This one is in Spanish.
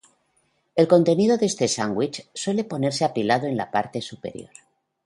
El contenido de este sándwich suele ponerse apilado en la parte superior.